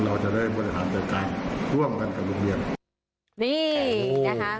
เราจะได้บริษัทแต่การร่วมกันกับโรงเรียน